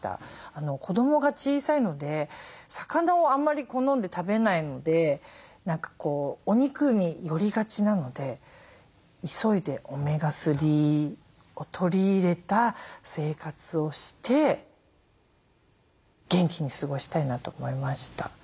子どもが小さいので魚をあんまり好んで食べないのでお肉に寄りがちなので急いでオメガ３を取り入れた生活をして元気に過ごしたいなと思いました。